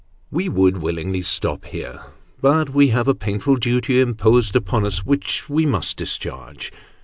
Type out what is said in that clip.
We would willingly stop here, but we have a painful duty imposed upon us, which we must discharge.